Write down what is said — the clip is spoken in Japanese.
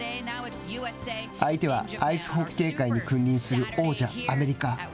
相手はアイスホッケー界に君臨する王者・アメリカ。